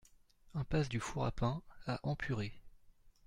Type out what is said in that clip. Impasse du Four A Pain à Empuré